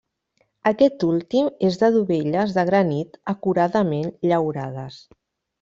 Aquest últim és de dovelles de granit acuradament llaurades.